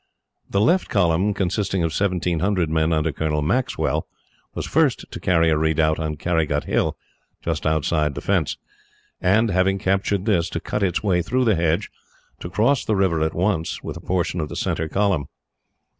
The left column, consisting of 1,700 men under Colonel Maxwell, was first to carry a redoubt on Carrygut Hill, just outside the fence; and, having captured this, to cut its way through the hedge, and to cross the river at once, with a portion of the centre column.